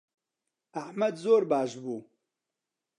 ئەحمەد زۆر باش بوو.